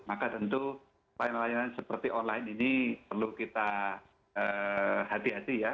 maka tentu layanan layanan seperti online ini perlu kita hati hati ya